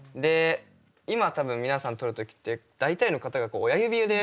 今多分皆さん撮る時って大体の方がこう親指で。